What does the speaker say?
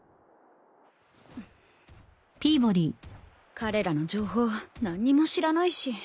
彼らの情報何にも知らないし。